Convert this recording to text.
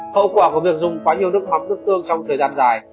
hậu quả của việc dùng quá nhiều nước mắm nước tương trong thời gian dài